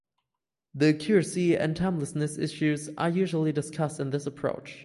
The accuracy and timelessness issues are usually discussed in this approach.